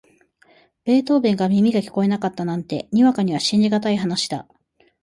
ベートーヴェンが耳が聞こえなかったなんて、にわかには信じがたい話だ。